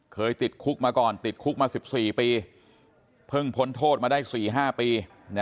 ติดคุกมาก่อนติดคุกมา๑๔ปีเพิ่งพ้นโทษมาได้๔๕ปี